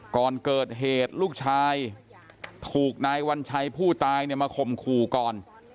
ก่อนเกิดเหตุลูกชายถูกนายวัญชัยผู้ตายเนี่ยมาข่มขู่ก่อน